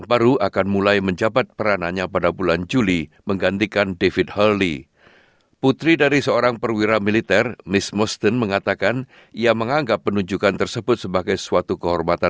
sampai jumpa di video selanjutnya